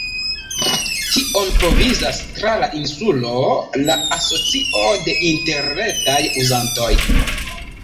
Tion provizas tra la insulo la Asocio de Interretaj Uzantoj.